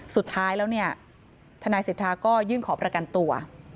สุดท้ายแล้วเนี่ยทนายสิทธาก็ยื่นขอประกันตัว